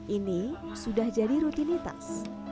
ini sudah jadi rutinitas